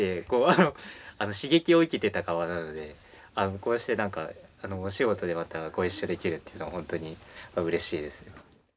こうしてなんかお仕事でまたご一緒できるっていうのはほんとにうれしいですね。